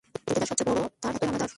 পৃথিবীতে যা সব চেয়ে বড়ো তার এতই অনাদর?